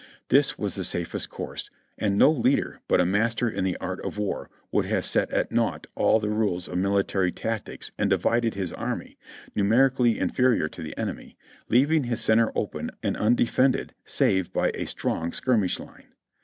This was the safest course, and no leader but a master in the art of war would have set at naught all the rules of military tactics and divided his army, numerically inferior to the enemy, leaving his center open and undefended save by a strong skirmish line.